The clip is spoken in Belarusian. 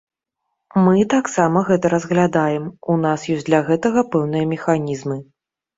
Мы таксама гэта разглядаем, у нас ёсць для гэтага пэўныя механізмы.